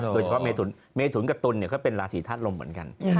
โดยเฉพาะเมถุนกับตุลก็เป็นราศีธาตุลมเหมือนกัน